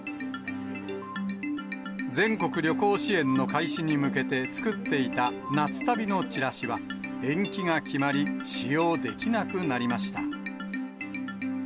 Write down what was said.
全国旅行支援の開始に向けて作っていた夏旅のチラシは、延期が決まり、使用できなくなりました。